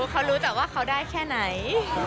เขารู้แต่ว่าเขาได้แค่ไหน